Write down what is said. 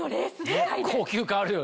高級感あるよね。